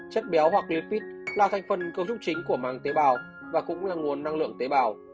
chất béo hoặc lipid là thành phần cơ chức chính của màng tế bào và cũng là nguồn năng lượng tế bào